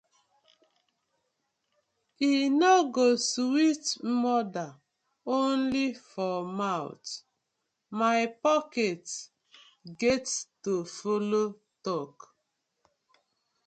I no go sweet mother only for mouth, my pocket get to follo tok.